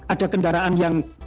ada kendaraan yang